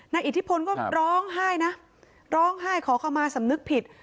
อิทธิพลก็ร้องไห้นะร้องไห้ขอเข้ามาสำนึกผิด